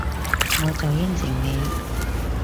我就應承你